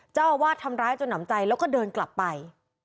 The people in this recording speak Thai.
เจ้าอาวาสทำร้ายจนหนำใจแล้วก็เดินกลับไป